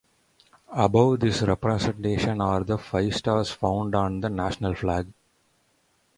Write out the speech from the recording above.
Above this representation are the five stars found on the national flag.